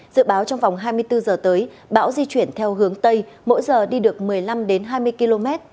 dự báo trong vòng hai mươi bốn giờ tới bão di chuyển theo hướng tây mỗi giờ đi được một mươi năm hai mươi km